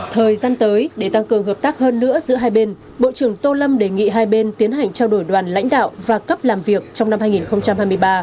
thời gian tới để tăng cường hợp tác hơn nữa giữa hai bên bộ trưởng tô lâm đề nghị hai bên tiến hành trao đổi đoàn lãnh đạo và cấp làm việc trong năm hai nghìn hai mươi ba